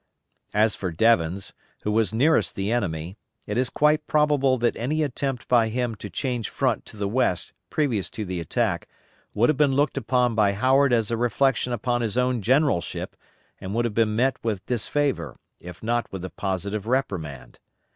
As for Devens, who was nearest the enemy, it is quite probable that any attempt by him to change front to the west previous to the attack would have been looked upon by Howard as a reflection upon his own generalship and would have been met with disfavor, if not with a positive reprimand.